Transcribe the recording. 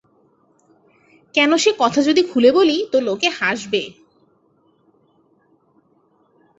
কেন সে কথা যদি খুলে বলি তো লোকে হাসবে।